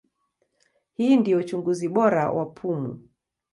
Hii ndio uchunguzi bora wa pumu.